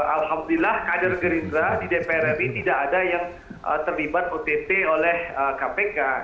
alhamdulillah kader gerindra di dpr ri tidak ada yang terlibat ott oleh kpk